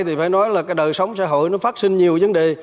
thì phải nói là cái đời sống xã hội nó phát sinh nhiều vấn đề